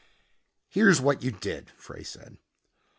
"Here's what you did," Frey said.